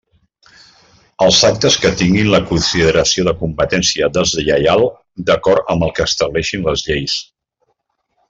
Els actes que tinguin la consideració de competència deslleial d'acord amb el que estableixin les lleis.